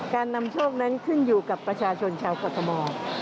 นำโชคนั้นขึ้นอยู่กับประชาชนชาวกรทม